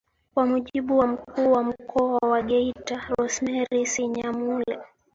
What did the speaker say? Kwa mujibu wa Mkuu wa Mkoa wa Geita Rosemary Sinyamule